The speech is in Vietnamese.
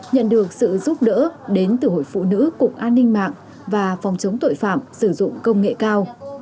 nhận được sự giúp đỡ đến từ hội phụ nữ cục an ninh mạng và phòng chống tội phạm sử dụng công nghệ cao